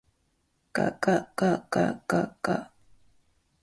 がががががが